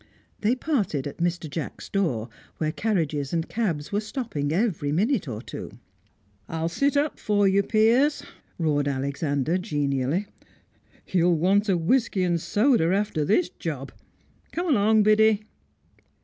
They parted at Mr. Jacks' door, where carriages and cabs were stopping every minute or two. "I'll sit up for you, Piers," roared Alexander genially. "You'll want a whisky and soda after this job. Come along, Biddy!"